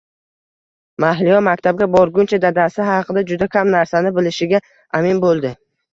Mahliyo maktabga borguncha dadasi haqida juda kam narsani bilishiga amin bo`ldi